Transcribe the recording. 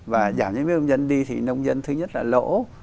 và giảm giá mía của nông dân đi thì nông dân thứ nhất là lỗ